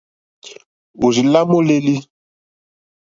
Òrzì lá môlélí.